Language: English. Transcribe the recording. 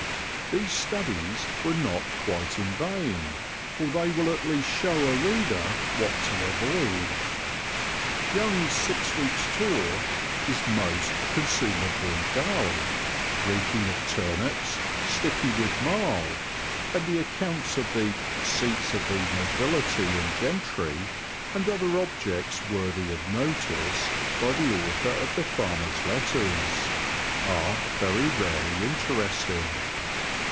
These studies were not quite in vain, for they will at least show a reader what to avoid. Young's Six Weeks' Tour is most consumedly dull, reeking of turnips, sticky with marl, and the accounts of "the seats of the nobility and gentry, and other objects worthy of notice, by the author of the Farmers' Letters," are very rarely interesting.